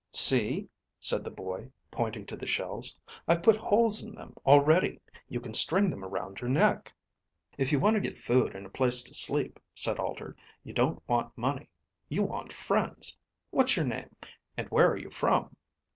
"See," said the boy, pointing to the shells. "I've put holes in them already. You can string them around your neck." "If you want to get food and a place to sleep," said Alter, "you don't want money. You want friends. What's your name? And where are you from?"